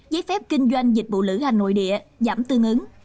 giấy phép kinh doanh dịch vụ lữ hành nội địa giảm tương ứng